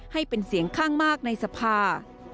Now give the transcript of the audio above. ให้เป็นเสียงข้างมากในสภา